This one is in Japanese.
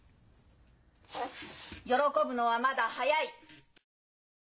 喜ぶのはまだ早い！